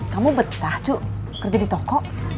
kamu betah cuk kerja di toko